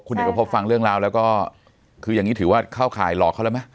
เอกพบฟังเรื่องราวแล้วก็คืออย่างนี้ถือว่าเข้าข่ายหลอกเขาแล้วไหม